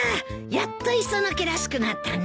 やっと磯野家らしくなったね。